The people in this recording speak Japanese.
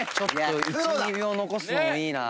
１２秒残すのもいいな。